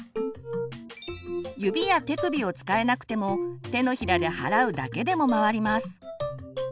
指や手首を使えなくても手のひらで払うだけでも回ります。